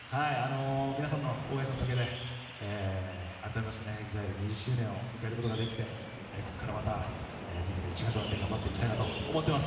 皆さんの応援のおかげで、改めましてＥＸＩＬＥ２０周年を迎えることができてここからまたみんなで一丸となって頑張っていきたいと思っています。